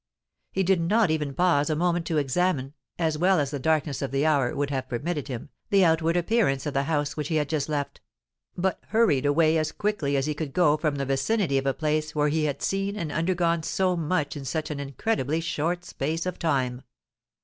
He did not even pause a moment to examine, as well as the darkness of the hour would have permitted him, the outward appearance of the house which he had just left; but hurried away as quickly as he could go from the vicinity of a place where he had seen and undergone so much in such an incredibly short space of time.